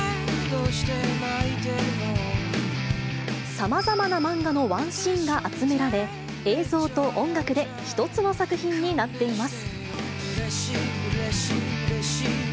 さまざまな漫画のワンシーンが集められ、映像と音楽で一つの作品になっています。